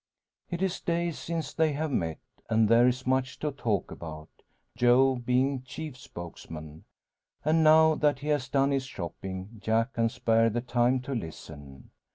It is days since they have met, and there is much to talk about, Joe being chief spokesman. And now that he has done his shopping, Jack can spare the time to listen.